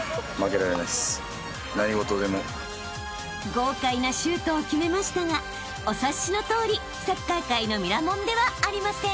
［豪快なシュートを決めましたがお察しのとおりサッカー界のミラモンではありません］